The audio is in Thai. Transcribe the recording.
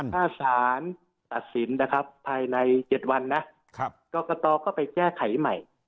ถ้าสารตัดสินนะครับภายใน๗วันนะกรกตก็ไปแก้ไขใหม่